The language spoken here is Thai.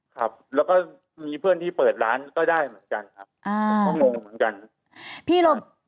ครับแล้วก็มีเพื่อนที่เปิดร้านก็ได้เหมือนกันครับทั้งวงเหมือนกัน